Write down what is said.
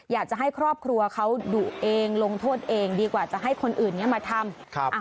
อยากจะให้ครอบครัวเขาดุเองลงโทษเองดีกว่าจะให้คนอื่นนี้มาทำ